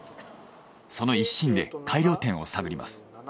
その一心で改良点を探ります。